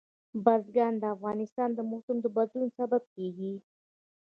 بزګان د افغانستان د موسم د بدلون سبب کېږي.